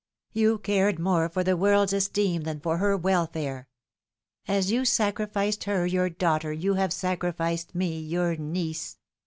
You cared more for the world's esteem than for her welfare. As you sacrificed her, your daugh ter, you have sacrificed me, your niece.